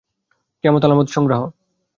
কেয়ামতের আলামত সংগ্রহ।